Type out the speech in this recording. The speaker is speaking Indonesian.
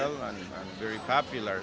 dan sangat populer